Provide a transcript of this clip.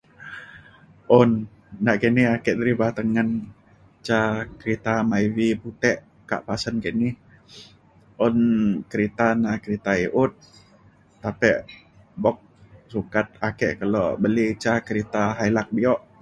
un nakini ake driba tengen ca kereta Myvi putek kak pasen kini. un kereta na kereta i’ut tapek buk sukat ake kelo beli ca kereta Hilux bio.